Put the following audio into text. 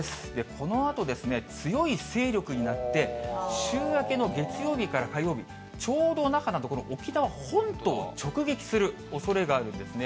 このあとですね、強い勢力になって、週明けの月曜日から火曜日、ちょうど那覇など、沖縄本島を直撃するおそれがあるんですね。